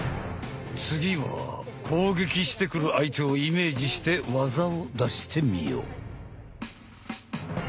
次は攻撃してくる相手をイメージして技を出してみよう！